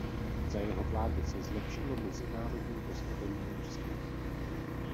Za jeho vlády se zlepšilo mezinárodní postavení Ruska.